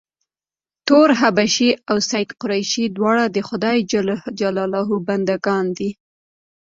تور حبشي او سید قریشي دواړه د خدای ج بنده ګان دي.